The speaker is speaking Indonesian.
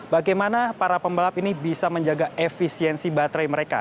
bagaimana para pembalap ini bisa menjaga efisiensi baterai mereka